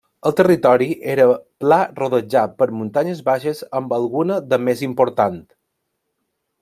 El territori era pla rodejat per muntanyes baixes amb alguna de més important.